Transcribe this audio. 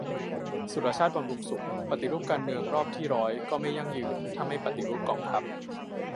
สุรชาติ บำรุงสุข : ปฏิรูปการเมืองรอบที่ร้อยก็ไม่ยั่งยืน ถ้าไม่ปฏิรูปกองทัพ